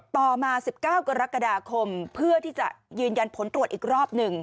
ต่อมา๑๙กรกฎาคมเพื่อที่จะยืนยันผลตรวจอีกรอบหนึ่ง